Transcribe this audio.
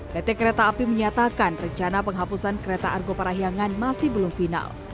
pt kereta api menyatakan rencana penghapusan kereta argo parahyangan masih belum final